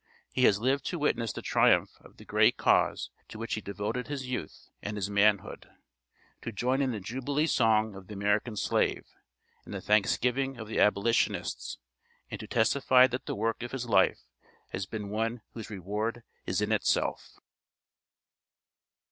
He has lived to witness the triumph of the great cause to which he devoted his youth and his manhood; to join in the jubilee song of the American slave; and the thanksgiving of the Abolitionists; and to testify that the work of his life has been one "whose reward is in itself."